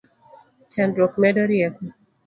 Chandruok medo rieko